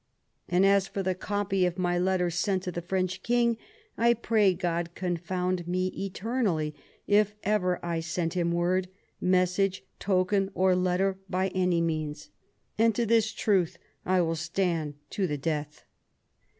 And as for the copy of my letter sent to the French King, I pray God confound me eternally, if ever I sent him word, message, token or letter by any means. And to this truth, I will stand to the death."